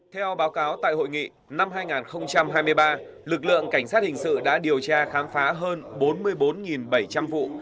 theo báo cáo tại hội nghị năm hai nghìn hai mươi ba lực lượng cảnh sát hình sự đã điều tra khám phá hơn bốn mươi bốn bảy trăm linh vụ